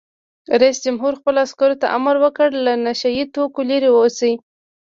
رئیس جمهور خپلو عسکرو ته امر وکړ؛ له نشه یي توکو لرې اوسئ!